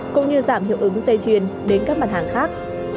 cũng như giảm hiệu ứng dây chuyền đến các mặt hàng khác